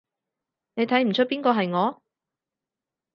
你睇唔岀邊個係我？